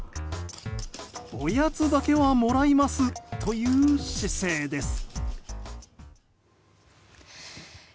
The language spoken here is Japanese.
おやつだけはもらいますという姿勢です。